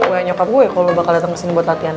wah nyokap gue kalo lo bakal dateng kesini buat latihan